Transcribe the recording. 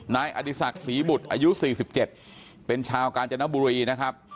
นายอดีศักดิ์ศรีบุตรอายุ๔๗เป็นชาวกาญจนบุรีนะครับ